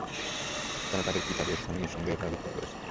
তারা তাদের কিতাবে এ স্থানে নিঃসন্দেহভাবে বিকৃতি করেছে।